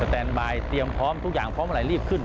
แต่งไซต์พร้อมพร้อมพร้อมเรียบขึ้น